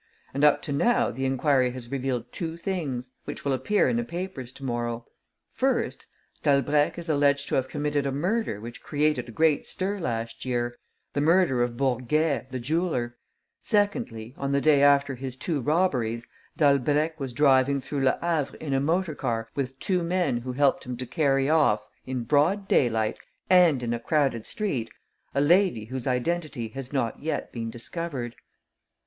And up to now the enquiry has revealed two things, which will appear in the papers to morrow: first, Dalbrèque is alleged to have committed a murder which created a great stir last year, the murder of Bourguet, the jeweller; secondly, on the day after his two robberies, Dalbrèque was driving through Le Havre in a motor car with two men who helped him to carry off, in broad daylight and in a crowded street, a lady whose identity has not yet been discovered."